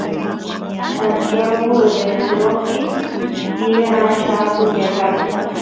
Santiagu Del Esteropi tiyan achka atun yachacheq